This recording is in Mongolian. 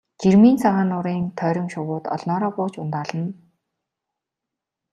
Жирмийн цагаан нуурын тойрон шувууд олноороо бууж ундаална.